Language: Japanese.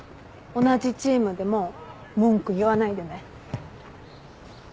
同じチームでも文句言わないでね。